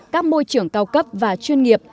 các môi trường cao cấp và chuyên nghiệp